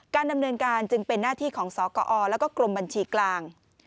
ดำเนินการจึงเป็นหน้าที่ของสกอแล้วก็กรมบัญชีกลาง